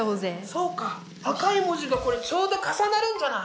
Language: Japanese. そうか赤い文字がこれちょうど重なるんじゃない？